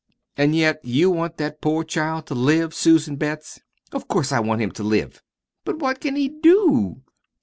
"An' yet you want that poor child to live, Susan Betts!" "Of course I want him to live!" "But what can he DO?"